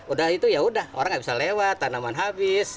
udah itu ya udah orang nggak bisa lewat tanaman habis